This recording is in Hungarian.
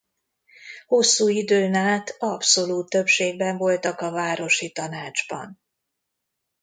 Hosszú időn át abszolút többségben voltak a városi tanácsban.